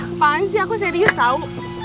apaan sih aku serius tau